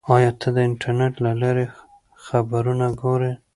آیا ته د انټرنیټ له لارې خبرونه ګورې؟